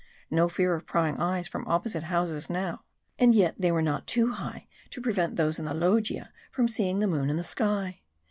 No fear of prying eyes from opposite houses now! And yet they were not too high to prevent those in the loggia from seeing the moon and the sky.